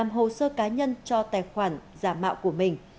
làm hồ sơ cá nhân cho tài khoản giả mạo của mình